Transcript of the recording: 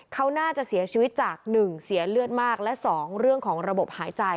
เขาน่าจะเสียชีวิตจาก๑เสียเลือดมากและ๒เรื่องของระบบหายใจ